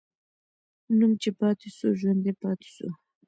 نوم چې پاتې سو، ژوندی پاتې سو.